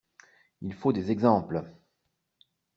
Il faut des exemples.